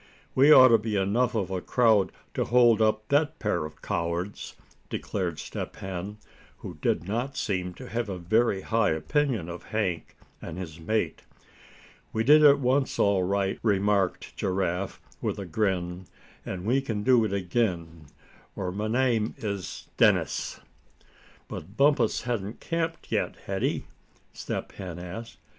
We ought to be enough of a crowd to hold up that pair of cowards," declared Step Hen, who did not seem to have a very high opinion of Hank and his mate. "We did it once, all right," remarked Giraffe, with a grin, "and we c'n do it again, or my name is Dennis." "But Bumpus hadn't camped yet, had he?" Step Hen asked.